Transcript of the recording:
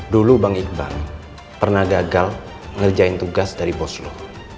dulu bang iqbal pernah gagal ngerjain tugas dari bosno